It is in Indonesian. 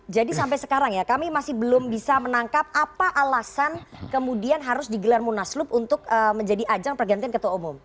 jadi sampai sekarang ya kami masih belum bisa menangkap apa alasan kemudian harus digelar munas lu untuk menjadi ajang pergantian ketua umum